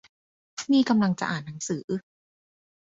นี่กำลังจะอ่านหนังสือ